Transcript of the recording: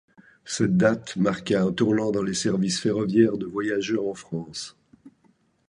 Cette date marqua un tournant dans les services ferroviaires de voyageurs en France.